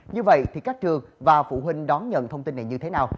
như vậy thì các trường và phụ huynh đón nhận thông tin này như thế nào